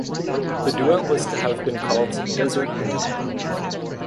The duet was to have been called "Desert Moon".